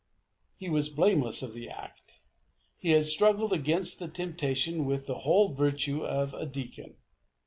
He was blameless of the act. He had struggled against the temptation with the whole virtue of a deacon.